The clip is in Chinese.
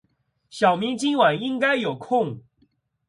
小明今晚应该有空。